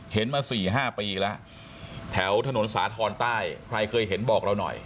เห็นมา๔๕ปีแล้วแถวถนนสาธรณ์ใต้ใครเคยเห็นบอกเราหน่อย